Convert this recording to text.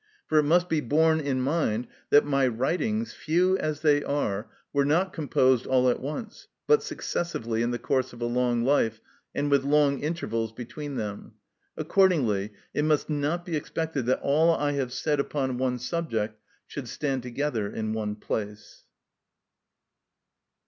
For it must be borne in mind that my writings, few as they are, were not composed all at once, but successively, in the course of a long life, and with long intervals between them. Accordingly, it must not be expected that all I have said upon one subject should stand together in one place.